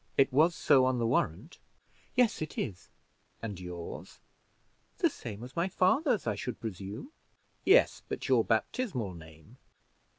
It was so on the warrant." "Yes, it is." "And yours?" "The same as my father's, I should presume." "Yes, but your baptismal name?"